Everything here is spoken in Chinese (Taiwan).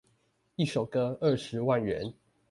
一首歌二十萬元